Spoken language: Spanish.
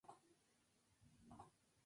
Otro de sus fundadores fue Paul Baran.